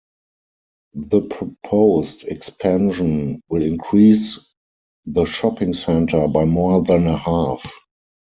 The proposed expansion will increase the shopping centre by more than a half.